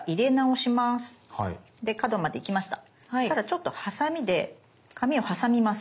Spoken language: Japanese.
したらちょっとハサミで紙を挟みます。